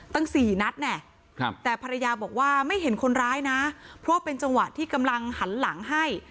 สี่นัดแน่แต่ภรรยาบอกว่าไม่เห็นคนร้ายนะเพราะเป็นจังหวะที่กำลังหันหลังให้